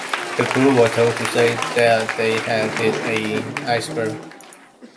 The crew were told to say that they had hit an iceberg.